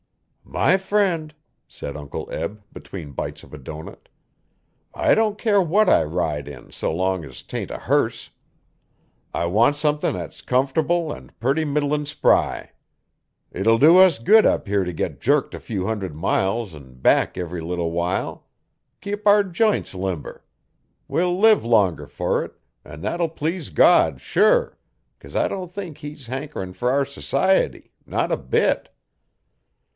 'My friend,' said Uncle Eb, between bites of a doughnut, 'I don' care what I ride in so long as 'tain't a hearse. I want sumthin' at's comfortable an' purty middlin' spry. It'll do us good up here t' git jerked a few hunderd miles an' back ev'ry leetle while. Keep our j'ints limber. We'll live longer fer it, an' thet'll please God sure cuz I don't think he's hankerin' fer our society not a bit.